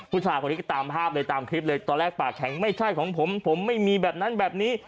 ผู้ชายคนนี้ก็ตามภาพเลยตามคลิปเลยตอนแรกปากแข็งไม่ใช่ของผมผมไม่มีแบบนั้นแบบนี้